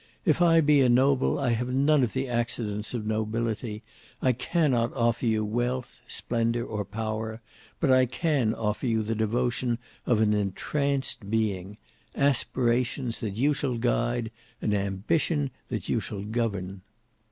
If I be a noble I have none of the accidents of nobility: I cannot offer you wealth, splendour, or power; but I can offer you the devotion of an entranced being—aspirations that you shall guide—an ambition that you shall govern!"